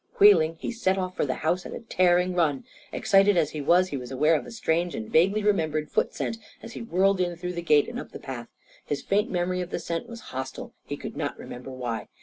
Wheeling, he set off for the house at a tearing run. Excited as he was, he was aware of a strange and vaguely remembered foot scent as he whirled in through the gate and up the path. His faint memory of the scent was hostile. He could not remember why.